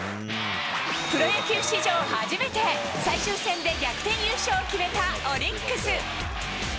プロ野球史上初めて、最終戦で逆転優勝を決めたオリックス。